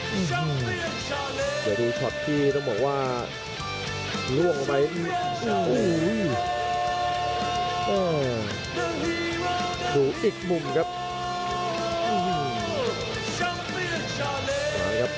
เดี๋ยวดูช็อตที่ต้องบอกว่าล่วงลงไปโอ้โหดูอีกมุมครับ